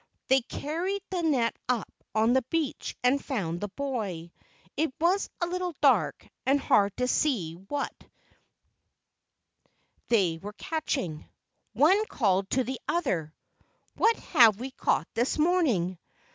They carried the net up on the beach and found the boy. It was a little dark, and hard to see what 196 LEGENDS OF GHOSTS they were catching. One called to the other, "What have we caught this morning?"